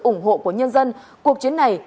ủng hộ của nhân dân cuộc chiến này